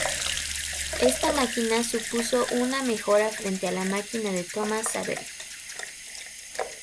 Esta máquina supuso una mejora frente a la máquina de Thomas Savery.